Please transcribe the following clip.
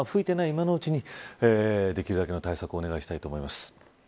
今のうちにできるだけの対策をお願いしたいと思います。